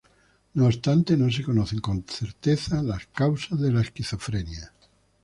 No obstante, no se conocen con certeza las causas de la esquizofrenia.